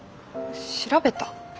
調べた？